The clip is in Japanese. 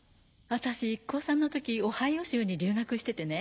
私高３の時オハイオ州に留学しててね